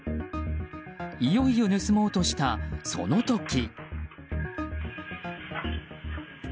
いよいよ盗もうとしたその時。